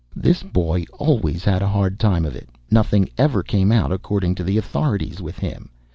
This boy always had a hard time of it. Nothing ever came out according to the authorities with him.